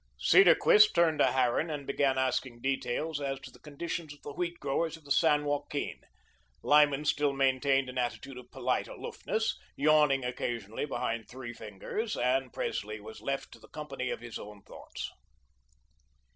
Cedarquist turned to Harran and began asking details as to the conditions of the wheat growers of the San Joaquin. Lyman still maintained an attitude of polite aloofness, yawning occasionally behind three fingers, and Presley was left to the company of his own thoughts.